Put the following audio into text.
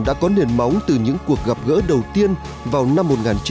đã có nền máu từ những cuộc gặp gỡ đầu tiên vào năm một nghìn chín trăm bảy mươi